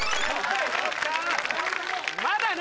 まだね！